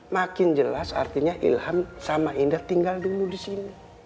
makin jelas artinya ilham sama indah tinggal dulu di sini